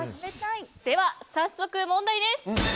では、早速問題です。